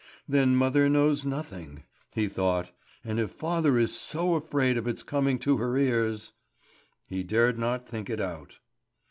"Then mother knows nothing," he thought. "And if father is so afraid of its coming to her ears " He dared not think it out.